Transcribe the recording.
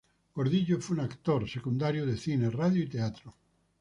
Gordillo fue un actor secundario de cine, radio y teatro.